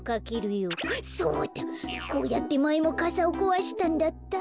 そうだこうやってまえもかさをこわしたんだった。